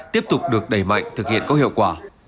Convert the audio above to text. tiếp tục được đẩy mạnh thực hiện có hiệu quả